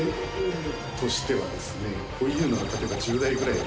こういうのが例えば１０台ぐらい。